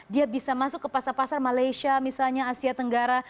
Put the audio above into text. dia bisa masuk ke pasar pasar malaysia misalnya asia tenggara